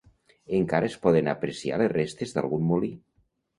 Encara es poden apreciar les restes d'algun molí.